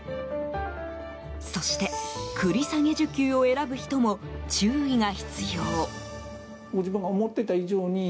そして、繰り下げ受給を選ぶ人も注意が必要。